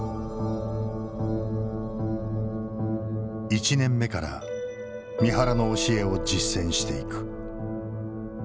１年目から三原の教えを実践していく。